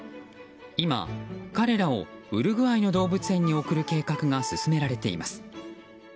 今、彼らをウルグアイの動物園に贈る計画が進められています。